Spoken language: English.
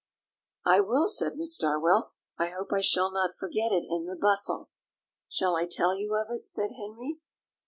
"I will," said Miss Darwell; "I hope I shall not forget it in the bustle." "Shall I tell you of it?" said Henry.